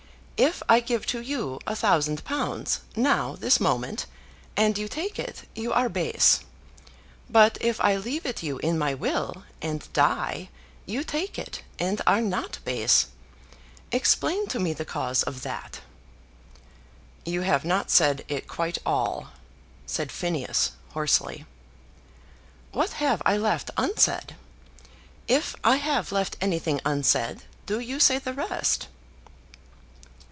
If I give to you a thousand pounds, now this moment, and you take it, you are base; but if I leave it you in my will, and die, you take it, and are not base. Explain to me the cause of that." "You have not said it quite all," said Phineas hoarsely. "What have I left unsaid? If I have left anything unsaid, do you say the rest."